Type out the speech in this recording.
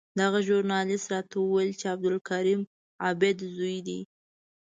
دغه ژورنالېست راته وویل چې د عبدالکریم عابد زوی دی.